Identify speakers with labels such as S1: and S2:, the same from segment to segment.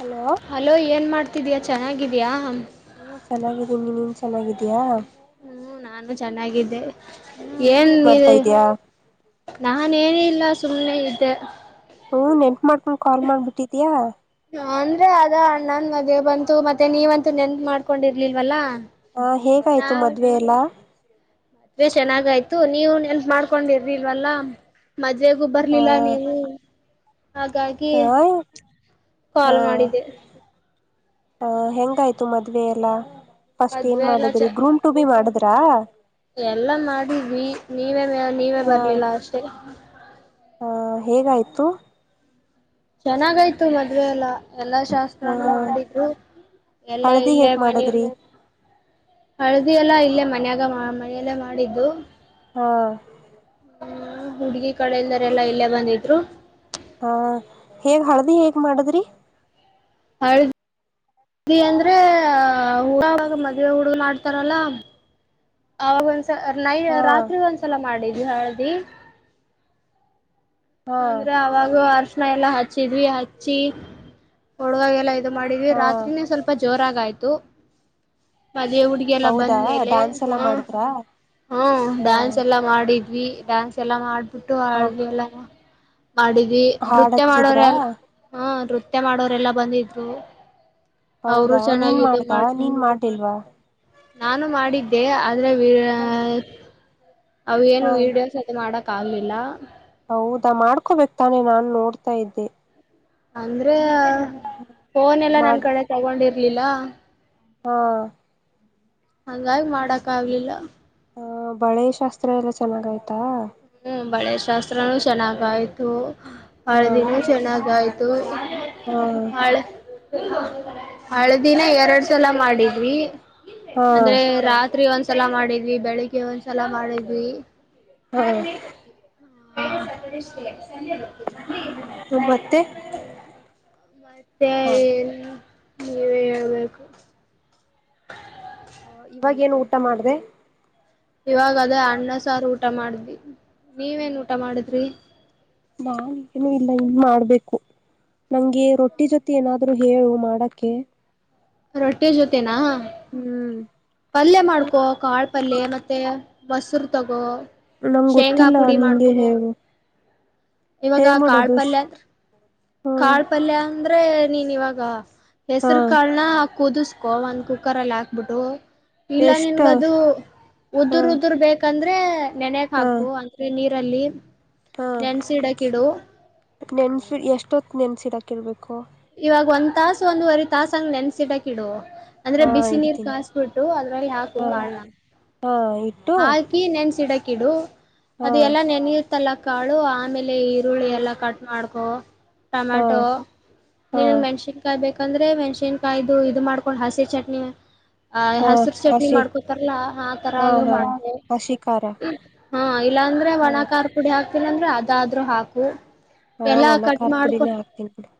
S1: Hello
S2: hello ಏನ್ ಮಾಡ್ತಿದಿಯಾ ಚೆನ್ನಾಗಿದೀಯಾ
S1: ಹ್ಮ ಚೆನ್ನಾಗಿದ್ದೀನಿ ನೀನ್ ಚೆನ್ನಾಗಿದೀಯಾ
S2: ಹ್ಮ್ ನಾನು ಚೆನ್ನಾಗಿದ್ದೆ
S1: ಹ್ಮ್ ನೀನ್
S2: ಏನ್ ಇ
S1: ಮಾಡ್ತಾ ಇದ್ಯಾ
S2: ನಾನ ಏನ ಇಲ್ಲ ಸುಮ್ನೆ ಇದ್ದೆ
S1: ಹ್ಮ್ ನೆನಪ ಮಾಡ್ಕೊಂಡ್ ಕಾಲ್ ಮಾಡ್ಬಿಟ್ಟಿದಯಾ
S2: ಅಂದ್ರೆ ಅದ ಅಣ್ಣನ್ ಮದುವೆ ಬಂತು ಮತ್ತೆ ನೀವಂತೂ ನೆನಪ ಮಾಡ್ಕೊಂಡಿರ್ಲಿಲ್ವಲ್ಲಾ
S1: ಹಾ ಹೇಗಾಯ್ತು
S2: ನಾವ್
S1: ಮದ್ವೆ ಎಲ್ಲ
S2: ಮದ್ವೆ ಚೆನ್ನಾಗಾಯ್ತು ನೀವ ನೆನಪ ಮಾಡ್ಕೊಂಡಿರಿಲ್ವಲ್ಲ ಮದ್ವೆಗೂ ಬರ್ಲಿಲ್ಲ ನೀವು ಹಾಗಾಗಿ
S1: ಹಾ ಹಾ
S2: ಕಾಲ್ ಮಾಡಿದ್ದೆ
S1: ಹ ಹೆಂಗಾಯ್ತು ಮದ್ವೆ ಎಲ್ಲ ಫಸ್ಟ್ ಏನ್
S2: ಮದ್ವೆ ಚ
S1: ಮಾಡಿದ್ರಿ ಗ್ರೂಮ್ ಟು ಬಿ ಮಾಡ ದ್ರಾ
S2: ಎಲ್ಲ ಮಾಡಿದ್ವಿ ನೀವೇ ಮ ನೀವೇ ಬರ್ಲಿಲ್ಲ ಅಷ್ಟೆ
S1: ಓ ಹೇಗಾಯ್ತು
S2: ಚೆನ್ನಾಗಾಯ್ತು ಮದ್ವೆ ಎಲ್ಲ ಎಲ್ಲಾ ಶಾಸ್ತ್ರಾನೂ
S1: ಹ
S2: ಮಾಡಿದ್ರು ಎಲ್ಲಾ
S1: ಹಳದಿ
S2: ಇಲ್ಲೇ
S1: ಹೇಗ್
S2: ಮನ
S1: ಮಾಡದ್ರಿ
S2: ಹಳದಿ ಎಲ್ಲ ಇಲ್ಲೇ ಮನ್ಯಾಗ ಮನೆಯಲ್ಲೇ ಮಾಡಿದ್ದು
S1: ಹಾ
S2: ಹುಡ್ಗಿ ಕಡೆೆಯಲ್ದರೆ ಎಲ್ಲಾ ಎಲ್ಲೇ ಬಂದಿದ್ರು
S1: ಹಾ ಹೇಗ್ ಹಳದಿ ಹೇಗ್ ಮಾಡದ್ರಿ
S2: ಹ ಅಂದ್ರೆ ಹಾಗ ಮದ್ವೆ ಹುಡುಗ ಮಾಡ್ತಾರಲ್ಲ ಅವಾಗ ಒಂದ್ಸ ನೈ
S1: ಹಾ
S2: ರಾತ್ರಿ ಒಂದ್ಸಲ ಮಾಡಿದವಿ ಹಳದಿ
S1: ಹಾ
S2: ಅಂದ್ರೆ ಅವಾಗ ಅರಶಣ ಎಲ್ಲಾ ಹಚ್ಚಿದ್ವಿ ಹಚ್ಚಿ ಒಡವಾಗೆಲ್ಲ ಇದು ಮಾಡಿದವಿ
S1: ಹಾ
S2: ರಾತ್ರಿನೇ ಸ್ವಲ್ಪ ಜೋರಾಗಯ್ತು ಮದುವೆ ಹುಡುಗಿ ಎಲ್ಲ
S1: ಹೌದಾ
S2: ಬಂದ ಮೇಲೆ
S1: ಡ್ಯಾನ್ಸ್
S2: ಹ
S1: ಎಲ್ಲಾ ಮಾಡಿದ್ರಾ
S2: ಹ್ಮ
S1: ಹ
S2: ಡಾನ್ಸ್ ಎಲ್ಲಾ ಮಾಡಿದ್ವಿ ಡ್ಯಾನ್ಸ್ ಎಲ್ಲ ಮಾಡ್ಬಿಟ್ಟು
S1: ಹ
S2: ಅಳದಿ ಎಲ್ಲ ಮಾಡಿದ್ವಿ
S1: ಹಾಡ್
S2: ನೃತ್ಯ
S1: ಹಚ್ಚಿದ್ರಾ
S2: ಮಾಡೋರೆಲ್ಲ ಹ್ಮ ನೃತ್ಯ ಮಾಡೋರೆಲ್ಲಾ ಬಂದಿದ್ರು ಅವರು
S1: ಹೌದಾ
S2: ಚೆನ್ನಾಗಿ
S1: ನೀನ್
S2: ಇದು
S1: ಮಾಡ್ದಾ
S2: ಮಾಡಿ
S1: ನೀನ್ ಮಾಡ್ದಿಲ್ವಾ
S2: ನಾನು ಮಾಡಿದ್ದೆ ಆದ್ರೆ ಅವು ಏನು
S1: ಹಾ
S2: ವೀಡಿಯೋಸ್ ಅ ಮಾಡಕ್ ಕಾಗಲಿನ
S1: ಹೌದಾ ಮಾಡ್ಕೋಬೇಕಕ್ ತಾನೆ ನಾನ್ ನೋಡ್ತಾ ಇದ್ದೆ
S2: ಅಂದ್ರೆ ಫೋನ್ ಎಲ್ಲಾ ನನ್
S1: ಮಾಡ್
S2: ಕಡೆ ತಗೊಂಡಿರ್ಲಿಲ್ಲ
S1: ಹಾ
S2: ಹಾಗಂಗಾಗಿ ಮಾಡಕ್ ಆಗ್ಲಿಲ್ಲ
S1: ಹ ಬಳೆ ಶಾಸ್ತ್ರ ಎಲ್ಲ ಚೆನ್ನಾಗ ಆಯ್ತಾ
S2: ಹ್ಮ್ ಬಳೆ ಶಾಸ್ತ್ರನೂ ಚೆನ್ನಾಗಾಯ್ತು
S1: ಹಾ
S2: ಹಳೆ ದಿನ ಚೆನ್ನಾಗಾಯ್ತು
S1: ಹಾ
S2: ಹಳೆ ಹಳದಿನ ಎರಡ್ ಸಲ ಮಾಡಿದ್ವಿ
S1: ಹಾ
S2: ಅಂದ್ರೆ ರಾತ್ರಿ ಒಂದ್ ರಾತ್ರಿ ಸಲ ಮಾಡಿದ್ವಿ ಬೆಳಿಗ್ಗೆ ಒಂದ್ಸಲ ಮಾಡಿದ್ವಿ
S1: ಹಾ
S2: ಹ ಇಷ್ಟ
S1: ಒಂಬತ್ತೆ
S2: ಮತ್ತೆ ಏನ್ ನೀವೇ ಹೇಳ್ಬೇಕು ಹ
S1: ಹ ಇವಾಗೇಏನು ಊಟ ಮಾಡ್ದ
S2: ಇವಾಗ ಅದೇ ಅಣ್ಣ ಸಾರು ಊಟ ಮಾಡ್ವಿ ನೀವೇನ್ ಊಟ ಮಾಡಿದ್ರಿ
S1: ನಾನ್ ಏನು ಇಲ್ಲ ಇನ್ ಮಾಡ್ಬೇಕು ನಂಗೆ ರೊಟ್ಟಿ ಜೊತೆ ಏನಾದ್ ಆದೂ ಹೇಳು ಮಾಡಕ್ಕೆ
S2: ರೊಟ್ಟೆ ಜೊತೆೇನಾ
S1: ಹ್ಮ್
S2: ಪಲ್ಯ ಮಾಡ್ಕೊ ಕಾಳ್ ಪಲ್ಯ ಮತ್ತೆ ಮೊಸರು ತಗೊ
S1: ನಂಗ್
S2: ಶೇಂಗಾ
S1: ಗೊತ್ತಿಲ್ಲ
S2: ಪುಡಿ
S1: ನಿಂಗೆ
S2: ಮಾಡ್ಕೊ
S1: ಹೇಳು
S2: ಇವಾಗ
S1: ಹೇಗ್ ಮಾಡೋದು
S2: ಕಾಳ್ಪಲ್ಯ ಅಂದ್ರ
S1: ಹಾ
S2: ಕಾಳ್ಪಲ್ಯ ಅಂದ್ರೆ ನೀನ್ ಇವಾಗ
S1: ಹಾ
S2: ಹೆಸ್ರು ಕಾಳನ ಕುದಿಸ್ಕೊ ಒಂದ್ ಕುಕ್ಕರ್ ಅಲ್ಲಿ ಹಾಕ್ಬಿಟ್ಟು ಇಲ್ಲ
S1: ಎಷ್ಟ
S2: ನಿನ್ಗದು
S1: ಹಾ
S2: ಉದದುರ್ ಉದುರ್ ಬೇಕಂದ್ರೆ ನೆನೆಗ್
S1: ಹಾ
S2: ಹಾಕು ಅಂದ್ರೆ ನೀರ್ ಲ್ಲಿ
S1: ಹಾ
S2: ನೆನ್ಸಿಡಕಿಡು
S1: ನೆನ್ಸಿ ಎಷ್ಟೊತ್ ನೆನ್ಸಿಡಾಕಿರ್ಬೇಕು
S2: ಇಾಗ ಒಂದ್ ತಾಸು ಒಂದುವರೆ ತಾಸಂಗ ನೆನ್ಸಿಟಕ್ ಇಡು ಅಂದ್ರೆ
S1: ಹಾ
S2: ಬಿಸಿ ನೀರ್
S1: ಇಡ್ತೀನಿ
S2: ಕಸ್ಬಿಟ್ಟು ಅದ್ರಲ್ಲಿ ಹಾಕು
S1: ಹಾ
S2: ಕಾಡ್ಲ
S1: ಹಾ ಇಟ್ಟು
S2: ಹಾಕಿ ನೆನ್ ಸಿಡಕಿಡು
S1: ಹಾ
S2: ಅದೆ ಎಲ್ಲಾ ನೆನ ಮತ್ತಲ್ಲ ಕಾಳು ಆಮೇಲೆ ಈರುಳ್ಳಿ ಎಲ್ಲ
S1: ಹಾ
S2: ಕಟ್ ಮಾಡ್ಕೊ ಟೊಮೆಟೊ
S1: ಹಾ
S2: ನೀನ್ನ್ ಮೆಣ್ಸಿನ್ಕಾಯಿ ಬೇಕಂದ್ರೆ ಮೆಣ್ಸಿನ್ಕಾಯ್ದು ಇದು ಮಾಡ್ಕೊಂಡ್ ಹಸಿ ಚಟ್ನಿ ಆ
S1: ಹಾ
S2: ಹಸರು ಚಟ್ನಿ
S1: ಹಸಿ
S2: ಮಾಡ್ಕೊತಾರಲ್ಲಾ ಆ ತರ
S1: ಹಾ
S2: ಅದುೂ
S1: ಹಾ
S2: ಮಾಡ್ತೇ
S1: ಹಸಿ ಖಾರ
S2: ಹಾ ಇಲ್ಲಾಂದ್ರೆ ಒಣ ಖಾರ್ ಪುಡಿ ಹಾಕ್ತಿಲ್ಲ ಅಂದ್ರೆ ಅದಾದ್ರರು ಹಾಕು
S1: ಹಾ
S2: ಎಲ್ಲಾ
S1: ಒಣ್ಣ
S2: ಕಟ್
S1: ಖಾರ್
S2: ಮಾಡ್ಕ
S1: ಪುಡಿನೇ ಹಾಕ್ತೀನಿ ಬಿಡು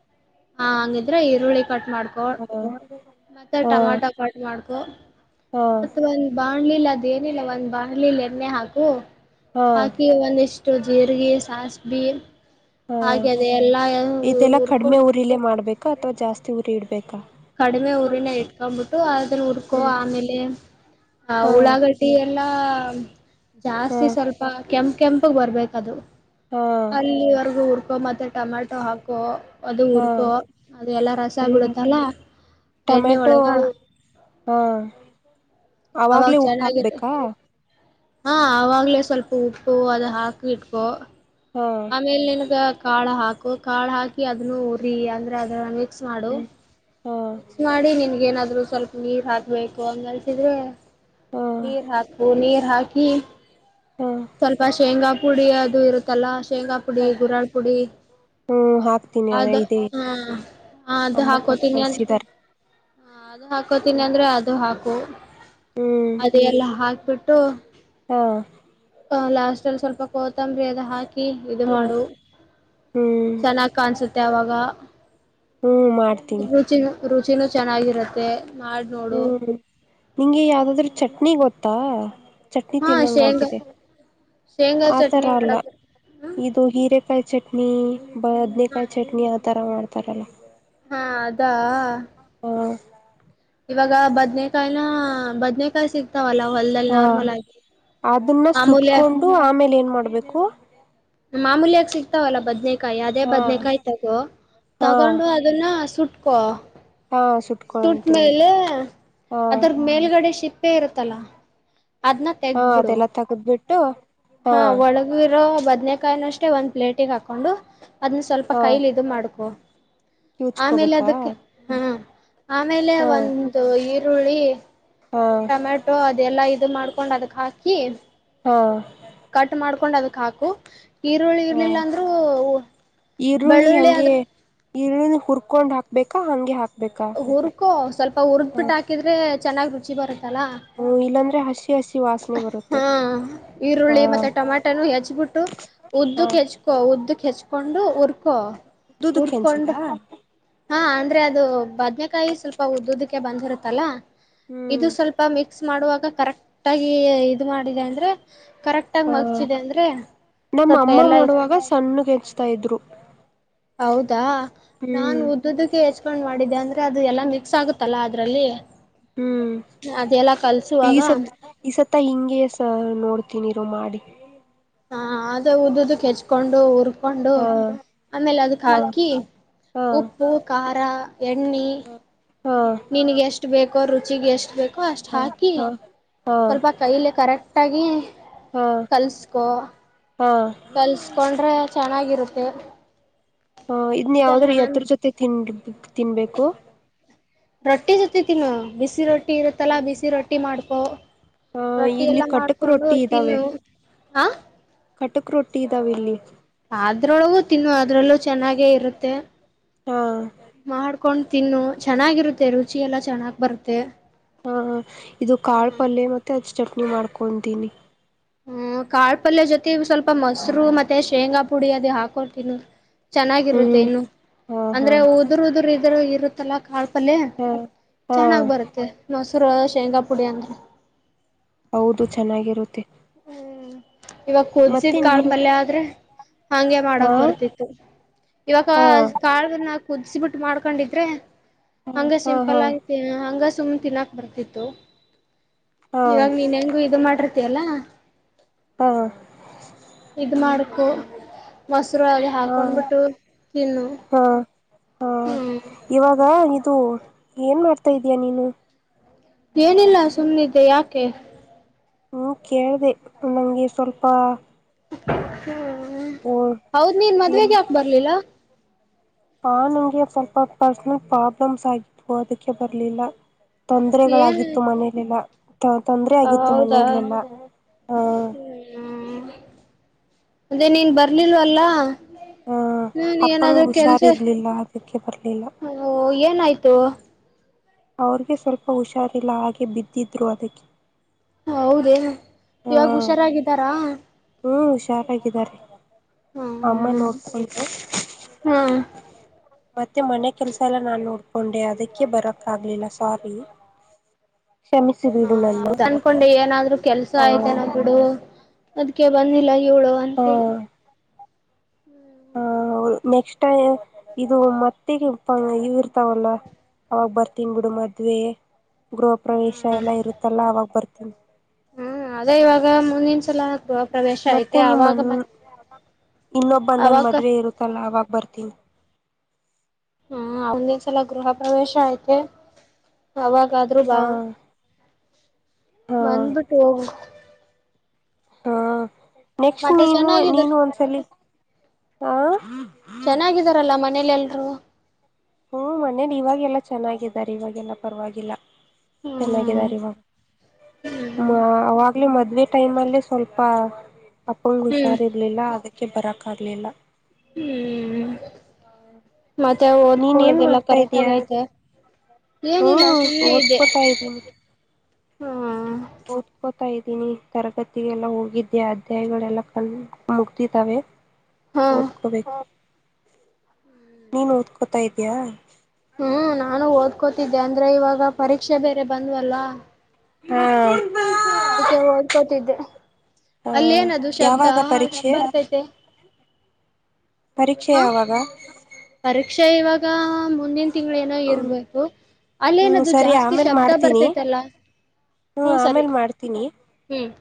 S2: ಹಾ ಹಂಗಿದ್ರೆ ಈರುಳ್ಳಿ ಕಟ್ ಮಾಡ್ಕೊ
S1: ಹಾ
S2: ಮತ್ತೆ ಟಮಾಟೊ
S1: ಹಾ
S2: ಕಟ್ ಮಾಡ್ಕೊ ಮತ್ತ ಒಂದ್ ಬಾಣ ಲಿಲ್ಲ ಅದ ಏನಿಲ್ಲ ಒಂದ್ ಬಾಣ್ಲಿಲಿ ಎಣ್ಣೆ ಹಾಕು
S1: ಹಾ
S2: ಹಾಕಿ ಒಂದ ಇಷ್ಟ್ [unintelligible] ಜೀರಿಗೆ ಸಾಸ್ಬಿ
S1: ಹಾ
S2: ಹಾಗಾದೆ ಎಲ್ಲಾ
S1: ಇದೆಲ್ಲಾ
S2: ಉರ್ಕೊಂಡ.
S1: ಕಡಿಮೆ ಉರಿಲೇ ಮಾಡ್ಬೇಕಾ ಅಥವಾ ಜಾಸ್ತಿ ಊರಿ ಇಡ್ಬೇಕ್
S2: ಕಡಿಮೆ ಊರಿನ ಇಟ್ಕೊಂಡ್ಬಿಟ್ಟು ಅದನ್ನ ಹುಡ್ಕೋ ಆಮೇಲೆ ಆ
S1: ಹಾ
S2: ಉಳ್ಳಾಗಟ್ಟಿ ಎಲ್ಲ
S1: ಹಾ
S2: ಜಾಸ್ತಿ ಸ್ವಲ್ಪ ಕೆಂಪ ಕೆಂಪಗ್ ಬರ್ಬೇಕದು
S1: ಹಾ
S2: ಅಲ್ಲಿವರ್ಗೂ ಹುರ್ಕೊ ಮತ್ತೆ ಟೊಮಾಟೊ ಹಾಕೋ ಅದು
S1: ಹಾ
S2: ಹುರ್ಕೊ ಅದು ಎಲ್ಲ ರಸ ಬಿಡುತ್ತಲ್ಲ ಎಣ್ಣೆ
S1: ಟೊಮೆಟೊ
S2: ಒಳಗ
S1: ಹಾ
S2: ಅವಾಗ
S1: ಅವಾಗ್ಲೇ ಉಪ್ಪು
S2: ಚೆನ್ನಾಗಿರು
S1: ಹಾಕ್ಬೇಕಾ
S2: ಹಾ ಅವಾಗ್ಲೇ ಸ್ವಲ್ಪ ಉಪ್ಪು ಅದ ಹಾಕ ಇಟ್ಕೊ
S1: ಹಾ
S2: ಆಮೇಲೆ ನನ್ಗ ಕಾಳು ಹಾಕು ಕಾಳು ಹಾಕಿ ಅದನ್ನು ಉರಿ ಅಂದ್ರೆ ಅದ ಮಾಡ ಮಿಕ್ಸ್
S1: ಹಾ
S2: ಮಾಡಿ ನಿನ್ಗ ನ ಸ್ವಲ್ಪ ನೀರ್ ಹಾಕ್ಬೇಕು ಹಂಗಲ್ಸಿದ್ರೆ
S1: ಹಾ
S2: ನೀರ್ ಹಾಕು ನೀರ್ ಹಾಕಿ ಸ್ವಲ್ಪ ಶೇಂಗಾ ಪುಡಿ ಅದು ಇರುತ್ತಲ್ಲ. ಶೇಂಗಾ ಪುಡಿ
S1: ಹಾ
S2: ಹುರಾಳ್ ಪುಡಿ.
S1: ಹ್ಮ್ ಹಾಕ್ತೀನಿ ಅದ
S2: ಅದು
S1: ಇದೇ ಇದೆ
S2: ಹಾ ಅದು
S1: ಅಮ್ಮ ಕೊಟ್ಟು
S2: ಹಾಕೋತನಿ ಅಂದ್
S1: ಕಳ್ಸಿದ್ದಾರೆ
S2: ಅದು ಹಾಕೋತನಿ ಅಂದ್ರೆ ಅದು ಹಾಕು
S1: ಹ್ಮ್
S2: ಅದು ಎಲ್ಲ ಹಾಕ್ಬಿಟ್ಟು.
S1: ಹಾ
S2: ಲಾಸ್ಟ್ ಅಲ್ಲಿ ಸ್ವಲ್ಪ ಕೋತಂಬರಿ ಅದ ಹಾಕಿ. [unintelligible] ಇದು
S1: ಹಾ
S2: ಮಾಡು
S1: ಹ್ಮ್
S2: ಚೆನ್ನಾಗ್ ಕಾಣಸುತ್ತೆ ಅವಾಗ.
S1: ಹ್ಮ್ ಮಾಡ್ತೀನಿ.
S2: ರುಚಿನೂ ರುಚಿನೂ ಚೆನ್ನಾಗಿರುತ್ತೆ. ಮಾಡ್ ನೋಡು
S1: ಹ್ಮ್ ನಿಂಗೆ ಯಾವ್ದಾದ್ರು ಚಟ್ನಿ ಗೊತ್ತಾ. ಚಟ್ನಿ
S2: ಹಾ ಶೇಂಗಾ
S1: ತಿನ್ನಂಗಾಗಿದೆ
S2: ಶೇಂಗಾ
S1: ಆ ತರ
S2: ಚಟ್ನಿ
S1: ಅಲ್ಲ
S2: ಮಾಡಕ್ ಹ
S1: ಇದು ಹೀರೆಕಾಯಿ ಚಟ್ ಹ್ಮ ಬದನೇಕಾಯಿ ಚಟ್ನಿ ಆ ಥರ ಮಾಡ್ತಾರಲ್ಲ.
S2: ಹಾ ಅದಾ.
S1: ಹಾ
S2: ಇವಾಗ ಬದನೆಕಾಯಿನ ಬದ್ನೆಕಾಯಿ ಸಿಕ್ತಾವಲ್ಲ.
S1: ಹಾ ಅದನ್ನ
S2: ಮಾಮೂಲ್ಯ
S1: ಸುಟ್ಕೊಂಡು ಆಮೇಲೆ ಏನ್ ಮಾಡ್ಬೇಕು.
S2: ಮಾಮೂಲ್ಯಾಗ ಸಿಗ್ತಾವಲ್ಲಾ ಬದ್ನೆ ಕಾಯಿ ಅದೇ
S1: ಹಾ
S2: ಬದ್ನೆಕಾಯಿ ತಗೋ
S1: ಹಾ
S2: ತಗೊಂಡು ಅದನ್ನ ಸುಟ್ಕೊ.
S1: ಹಾ
S2: ಸುಟ್
S1: ಸುಟ್ಕೊಂತೀನಿ
S2: ಮೇಲೆ
S1: ಹಾ
S2: ಅದ್ರ ಮೇಲ್ಗಡೆ ಶಿಪ್ [unintelligible] ಪೇರತಲ. ಅದನ್ನ
S1: ಹಾ
S2: ತೆಗಬಿಡು
S1: ಅದೆಲ್ಲ ತಗದ್ಬಿಟ್ಟು
S2: ಹಾ ಒಳಗಿರೋ ಬದ್ನೆ ಕಾಯಿನ ಅಷ್ಟೇ ಒಂದ್ ಪ್ಲೇಟಿಗೆ ಹಾಕೊಂಡು ಅದನ್ನ ಸ್ವಲ್ಪ
S1: ಹಾ
S2: ಕೈಲಿ ಇದು ಮಾಡ್ಕೋ. ಆಮೇಲೆ
S1: ಕಿವುಚ್ಕೋಬೇಕಾ
S2: ಅದಕ್ಕೆ ಹಾ ಆಮೇಲೆ
S1: ಹಾ
S2: ಒಂದು ಈರುಳ್ಳಿ.
S1: ಹಾ
S2: ಟೊಮೆಟೊ ಅದೆಲ್ಲಾ ಇದು ಮಾಡ್ಕೊಂಡ್ ಅದಕ್ ಹಾಕಿ.
S1: ಹಾ
S2: [unintelligible] ಅದಕ್ ಹಾಕು ಈರುಳ್ಳಿ
S1: ಹಾ
S2: ಇರ್ಲಿಲ್ಲ ಅಂದ್ರೂ ಬೆಳ್ಳುಳ್ಳಿ ಆದ್ರೆ
S1: ಇರುಳ್ಳಿ ಹುರ್ಕೊಂಡ್ ಹಾಕ್ಬೇಕಾ ಹಂಗೆ ಹಾಕ್
S2: ಹುರ್ಕೊ ಸ್ವಲ್ಪ ಹುರ್ದ್ ಬಿಟ್ಟ್ ಹಾಕಿದ್ರೆ ಚೆನ್ನ್ ರುಚಿ ಬರುತ್
S1: ಹ್ಮ ಇಲ್ಲಾಂದ್ರೆ ಹಸಿ ಹಸಿ. ವಾಸನೆ ಬರುತ್ತೆ
S2: ಹಾ
S1: ಹ
S2: ಈರುಳ್ಳಿ ಮತ್ತೆ ಟೊಮಾಟನು ಹೆಚ್ಬಿಟ್ಟು
S1: ಹ
S2: ಉದ್ದಕ್ ಹೆಚ್ಕೋ. ಉದ್ದಕ್ ಹೆಚ್ಕೊಂಡು ಉುರ್ಕೊ
S1: ಉದ್ದುದಕ್ಕೆ ಹೆಂಚ್ಲ
S2: ಉರ್ಕೊಂಡ. ಹಾ ಅಂದ್ರೆ ಅದು ಬದ್ನೆಕಾಯಿ ಸ್ವಲ್ಪ ಉದ್ದುದಕ್ಕೆ ಬಂದಿರುತ್ತಲ್ಲ ಇದು
S1: ಹ್ಮ್
S2: ಸ್ವಲ್ಪ ಮಿಕ್ಸ್. ಮಾಡುವಾಗ ಕರೆಕ್ಟ್ ಆಗಿ ಇದ್ ಮಾಡಿದೆ ಅಂದ್ರೆ ಕರೆಕ್ಟ್ ಆಗಿ
S1: ಹ
S2: ಮಡ್ಚಿದೆ ಅಂದ್ರೆ.
S1: ನಮ್ಮ
S2: ಸ್ವಲ್ಪ
S1: ಅಮ್ಮ
S2: ಎಲ್ಲಾ
S1: ಮಾಡೋಡುವಾಗ ಸಣ್ಣ ಕೆಚ್ತಾ ಇದ್ರು.
S2: ಹೌದಾ ನಾನ್
S1: ಹ್ಮ್
S2: ಉದ್ದದಕ್ಕೆ ಹೆ [unintelligible] ಕೊಂಡ್ ಮಾಡಿದ್ದೆ ಅಂದ್ರೆ ಅದು ಎಲ್ಲಾ ಮಿಕ್ಸ್ ಆಗುತ್ತಲ್ಲ ಅದ್ರರಲ್ಲಿ.
S1: ಹ್ಮ್ ಈ ಸತ್
S2: ಕಲ್ಸುವಾಗ
S1: ಈ ಸತ್ತ ಹಿಂಗೆಸ ನೋಡು. [unintelligible] ರು ಮಾಡಿ.
S2: ಹಾ ಅದ ಹೆಚ್ಕೊಂಡು
S1: ಹಾ
S2: ಆಮೇಲೆ ಅದಕ್
S1: ಹಾ
S2: ಹಾಕಿ
S1: ಹಾ
S2: ಉಪ್ಪು ಖಾರ ಎಣ್ಣೆ
S1: ಹಾ
S2: ನಿನಗೆ ಎಷ್ಟು ಬೇಕೋ ರುಚಿಗೆ ಎಷ್ಟ. ಅಷ್ಟ ಬೇಕು ಅಷ್ಟು
S1: ಹಾ
S2: ಹಾಕಿ
S1: ಹಾ
S2: ಸ್ವಲ್ಪ ಕೈಲಿ ಕರೆಕ್ಟಾಗಿ.
S1: ಹಾ
S2: ಕಲ್ಸ್ಕೋ
S1: ಹಾ
S2: ಕಲ್ಸ್ಕೊಂಡ್ರೆ. ಚೆನ್ನಾಗಿರುತ್ತೆ.
S1: ಹ ಇದನ್ನ ಯಾವ್ದ್ರ
S2: ಚೆನ್ನಾಗಿ
S1: ಯತ್ತರ ಜೊತೆ ತಿನ್ ತಿನ್ಬೇಕು.
S2: ರೊಟಿ ಜೊತೆ ತಿನ್ನು ಬಿಸಿ ರೊಟ್ಟ್. ರೊಟ್ಟಿ ಇರುತ್ತಲ್ಲ ಬಿಸಿ ರೊಟ್ಟಿ ಮಾಡ್ಕೊ
S1: ಆ
S2: ರೊಟ್ಟಿ
S1: ಇಲ್ಲಿ
S2: ಎಲ್ಲ
S1: ಕಟಕ್
S2: ಮಾಡ್ಕೊಂಡು
S1: ರೊಟ್ಟಿ ಇದ್ದಾವೆ
S2: ತಿನ್ನು. [inaudible]
S1: ಕಟಕ್ ರೊಟ್ಟಿ ಇದ್ದಾವಿಲ್ಲಿ.
S2: ಅದ್ರೊಳಗೂ ತಿನ್ನು ಅದ್ರಲ್ಲೂ ಚೆನ್ನಾಗೆ ಇರುತ್ತೆ
S1: ಹಾ
S2: ನೋಡ್ [unintelligible] ಕೊಂಡ್ ತಿನ್ನು ಚೆನ್ನಾಗಿರುತ್ತೆ ರುಚಿ ಎಲ್ಲ ಚೆನ್ನಾಗ್ ಬರುತ್ತೆ.
S1: ಹಾ ಇದು ಕಾಳು ಪಲ್ಯ ಮತ್ತೆ ಅಜಚ್ಚ ಚಟ್ನಿ ಮಾಡ್ಕೊಂತೀನಿ.
S2: ಹ್ಮ ಕಾಳ ಪಲ್ಯ ಜೊತೆ ಸ್ವಲ್ಪ ಮೊಸರು ಮತ್ತೆ ಶೇಂಗಾ ಪುಡಿ ಅದ ಹಾಕೊಡ್ತನ. ಚೆನ್ನಾಗಿರುತ್ತೆ
S1: ಹ್ಮ್
S2: ನು
S1: ಹಾ ಹಾ
S2: ಅಂದ್ರೆ ಉದುರ್ ಉದುರ್ ಇದ್ರ ಇರುತ್ತಲ್ಲಾ. ಪ್ಪಲೆ
S1: ಹಾ ಹಾ
S2: ಚೆನ್ನಾಗಿ ಬರುತ್ತೆ ಮೊಸರು ಶೇಂಗಾ ಪುಡಿ ಅಂದ್ರೆ.
S1: ಹೌದು ಚೆನ್ನಾಗಿರುತ್ತೆ. ಮತ್ತೆ
S2: ಹ್ಮ್ ಕಾಳ
S1: ನೀನ್
S2: ಪಲ್ಯ ಆದ್ರೆ ಹಂಗೆ
S1: ಹಾ
S2: ಮಾಡಕ್ ಬರ್ತಿತ್ತು ಇವಾಗ
S1: ಹಾ
S2: ಕಾಳನ್ನ ಮಾಡ್ಕೊಂಡಿದ್ರೆ ಹಂಗ
S1: ಹಾ
S2: ಸಿಂಪಲ್
S1: ಹಾ
S2: ಆಗ ಹಂಗ ಸುಮ್ಮ್ನೆ ತಿನ್ನಾಕ್ ಬರ್ತಿತ್ತು
S1: ಹಾ
S2: ಇವಾಗ ನೀನ್ ಹೆಂಗು ಇದು ಮಾಡಿರ್ತಿಯಲ್ಲಾ.
S1: ಹಾ
S2: ಇದ ಮಾಡ್ಕು
S1: ಹಾ
S2: ಹಾಕೊಂಡ್ಬಿಟ್ಟು ತಿನ್ನು
S1: ಹಾ ಹಾ
S2: ಹ
S1: ಇವಾಗ ಏನ್ ಮಾಡ್ತಾ ಇದಯ ನೀನು.
S2: ಏನಿಲ್ಲ ಸುಮ್ಮ್ನಿದ್ದೆ ಯಾಕೆ.
S1: ಹ್ಮ್ ಕೇಳ್ದ ನಮ್ಗೆ ಸ್ವಲ್ಪ.
S2: ಹ್ಮ
S1: ಓ
S2: ಹೌದ್ ನೀನ್
S1: ಏನ್
S2: ಮದ್ವೆೆಗೆ ಹಾಕ್ ಬರ್ಲಿಲ್ಲ.
S1: ಆ ನಂಗೆ ಸ್ವಲ್ಪ ಪರ್ಸನಲ್ ಪ್ರಾಬ್ಲಮ್ಸ್ ಆಗಿದ್ವು ಅದಕ್ಕೆ ಬರ್ಲಿಲ್ಲ.
S2: ಏನು
S1: ತೊಂದರೆಗಳಾಗಿತ್ತು ಮನೇಲೆಲ್ಲ. ತೊಂದ್ರ ಆಗಿತ್ತು
S2: ಹೌದಾ
S1: ಮನೆಯಲೆಲ್ಲ ಹಾ.
S2: ಹ್ಮ್ ಅದೇ ನೀನ್ ಬರ್ಲಿಲ್ವ ಅಲ್ಲ.
S1: ಹ ಅಪ್ಪಂಗ
S2: ಏನಾದ್ರೂ ಕೆಲ್ಸ
S1: ಹುಷಾರ್ ಇರ್ಲಿಲ್ಲ ಅದಕ್ಕೆ ಬರ್ಲಿಲ್ಲ
S2: ಏನಾಯ್ತು.
S1: ಅವ್ರಗೆ ಸ್ವಲ್ಪ ಹುಷಾರಿಲ್ಲ ಹಾಗೆ ಬಿದ್ದಿದ್ರು ಅದಕ್ಕೆ.
S2: ಹೌದ
S1: ಹಾ
S2: ಇವಾಗ ಹುಷಾರಾಗಿದ್ದಾರಾ.
S1: ಹ್ಮ್ ಹುಷಾರಾಗಿದ್ದಾರೆ ಅಮ್ಮ
S2: ಹ್ಮ್
S1: ನೋಡ್ಕು.
S2: ಹ್ಮ್
S1: ಮತ್ತೆ ಮನೆ ಕೆಲ್ಸ ಎಲ್ಲ ನಾನ್ ನೋಡ್ಕೊಂಡೆ ಅದಕ್ಕೆ ಬರಕ್ ಆಗ್ಲಿಲ್ಲ ಕ್ಷಮಿಸಿ ಬಿಡು ನನ್ನ
S2: ಹ ಅನ್ಕೊಂಡು ಏನಾದ್ರು ಕೆಲ್ಸ
S1: ಹ
S2: ಆಯ್ತೇನ ಬಿಡು. ಅದ್ಕ ಬಂದಿಲ್ಲ ಇವಳು ಅಂತ
S1: ಹ
S2: ಹೇಳಿ.
S1: ಹ ಹೌದು ನೆಕ್ಸ್ಟ್ ಇದು ಮತ್ತ ಇರ್ತಾವಲ್ಲ ಅವಾಗ ಬರ್ತನ್ ಬಿಡು ಮದ್ವೆ ಗೃಹ ಪ್ರವೇಶ ಎಲ್ಲಾ ಇರುತ್ತಲ್ಲ ಅವಾಗ ಬರ್ತನೀ.
S2: ಹ್ಮ್ ಅದೇ ಇವಾಗ ಮುಂದನ್ ಸಲಗೃಹ ಪ್ರವೇಶ
S1: ಮತ್ತೆ
S2: ಐತೆ ಅವಾಗ
S1: ನಿಮ್ಮನ್
S2: ಮತ್ತೆ.
S1: ಇನ್ನೊಬ್ಬ ನನ್ ಮದ್ವೆ ಇರುತ್ತಲ್ಲ ಅವಾಗ ಬರ್ತೀನಿ.
S2: ಹಾ ಮುಂದಿನಸಲ ಗೃಹ ಪ್ರವೇಶ ಐತೆ ಅವಾಗ. ಗಾದ್ರೂ
S1: ಹ
S2: ಬಾ
S1: ಹಾ
S2: ಬಂದಬಿಟ್ಟು ಹೋಗು.
S1: ಹಾ ನೆಕ್ಸ್ಟ್
S2: ಮತ್ತೆ
S1: ನೀನು
S2: ಚೆನ್ನಾಗಿದಾರ
S1: ನೀನು ಒಂದ್ಸಲಿ ಹ.
S2: ಮನೇಲೆಲ್ರು.
S1: ಹ್ಮ ಮನೇಲಿ ಇವಾಗೆಲ್ಲಾ ಚೆನ್ನಾಗಿದ್ದಾರೆ ಇವಾಗೆಲ್ಲ ಪರವಾಗಿಲ್ಲ.
S2: ಹ್ಮ್
S1: ಚೆನ್ನಾಗಿದ್ದಾರೆ ಇವಾಗ ಅವಾಗ್ಲ ಮದ್ವೆೆ ಟೈಮ್ ಅಲ್ಲಿ ಸ್ವಲ್ಪ. ಅಪ್ಪ ಅಪ್ಪಂಗ
S2: ಹ್ಮ್
S1: ಹುಷಾರ್ ಇರ್ಲಿಲ್ಲ ಅದಕ್ಕೆ ಬರಕ್ ಆಗ್ಲಿಲ್ಲ.
S2: ಹ್ಮ್ ಮತ್ತೆ
S1: ನೀನ್ ಏನ್
S2: ಓದ್ಕೊಳ್ಳೋದೆಲ್ಲ
S1: ಮಾಡ್ತಾ
S2: ಕರೆಕ್ಟ್ ಆಗ
S1: ಇದೀಯಾ
S2: ಐತ ಏನಿಲ್ಲ
S1: ಹ್ಮ್
S2: ಸುಮ್ನೆ ಇದೆ
S1: ಓದ್ಕೋತಾ ಇದ್ದೀನಿ
S2: ಹಾ.
S1: ಓದ್ಕೋತಾ ಇದ್ದೀನಿ ತರಗತಿಗೆಲ್ಲ ಹೋಗಿದ್ದೆ ಅಧ್ಯಾಯಗಳೆಲ್ಲ ಕಣ ಮುಗತಿದ್ದಾವೆ.
S2: ಹಾ
S1: ಓದಕೋಬೇಕು ನೀನ್ ಓದ್ಕೋತಾ ಇದಿಯಾ.
S2: ಹ್ಮ್ ನಾನು ಓದ್ಕೋತಿದ್ದೆ ಅಂದ್ರೆ ಇವಾಗ ಪರೀಕ್ಷೆ ಬೇರೆ ಬಂದ್ವಲ್ಲ.
S1: ಹ್ಮ.
S2: ಅದಕ್ಕೆ ಓದ್ಕೋತಿದ್ದೆ.
S1: ಹ
S2: ಅಲ್ಲೇನದು ಶಬ್ದ
S1: ಯಾವಾಗ
S2: ಅಷ್ಟ
S1: ಪರೀಕ್ಷೆ
S2: ಬರ್ತೈತೆ.
S1: ಪರೀಕ್ಷೆ
S2: ಹಾ
S1: ಯಾವಾಗ.
S2: ಪರೀಕ್ಷೆ ಇವಾಗ ಮುಂದಿನ. ತಿಂಗ್ಳೇನೋ
S1: ಹ್ಮ್
S2: ಇರ್ಬೇಕು
S1: ಹ್ಮ್
S2: ಅಲ್ಲೇನದು
S1: ಸರಿ
S2: ಜಾಸ್ತಿ ಶಬ್ದ ಬರ್ತೈತಲ್ಲ.
S1: ಹ್ಮ ಆಮೇಲ್ ಮಾಡ್ತೀನಿ.
S2: ಹ್ಮ್